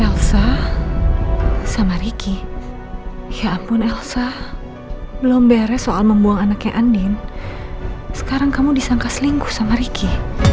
elsa sama ricky ya ampun elsa belum beres soal membuang anaknya andin sekarang kamu disangka selingkuh sama ricky